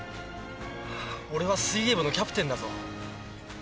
俺は水泳部のキャプテンだぞ。